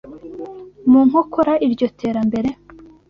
mu nkokora iryo terambere,